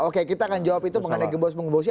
oke kita akan jawab itu mengenai gembos menggembosi